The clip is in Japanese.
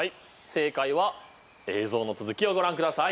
正解は映像の続きをご覧ください。